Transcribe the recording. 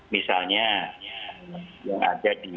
misalnya yang ada di